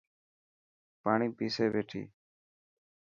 پاڻي پيسي پيتي.